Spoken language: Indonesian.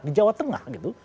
di jawa tengah gitu